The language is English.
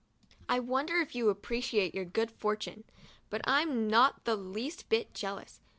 I wonder if you appreciate your good fortune ! But I'm not the least bit jealous.